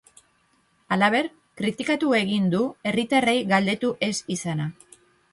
Halaber, kritikatu egin du herritarrei galdetu ez izana.